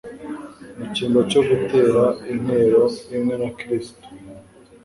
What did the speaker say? Mu cyimbo cyo gutera intero imwe na Kristo,